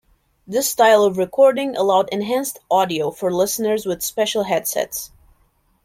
This style of recording allowed enhanced audio for listeners with special head sets.